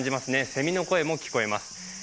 せみの声も聞こえます。